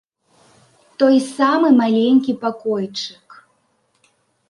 Той самы маленькі пакойчык.